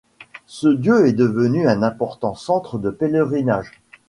Ce lieu est devenu un important centre de pèlerinage.